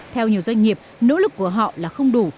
theo nhiều doanh nghiệp nỗ lực của họ là không đủ